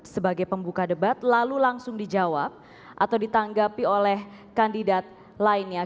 sebagai pembuka debat lalu langsung dijawab atau ditanggapi oleh kandidat lainnya